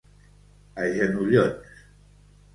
A genollons.